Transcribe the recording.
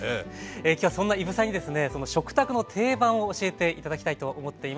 今日はそんな伊武さんにですねその食卓の定番を教えて頂きたいと思っています。